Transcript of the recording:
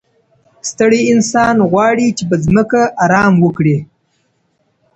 ستړی انسان غواړي چي په ځمکه ارام وکړي.